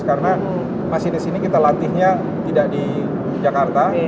karena masinis ini kita latihnya tidak di jakarta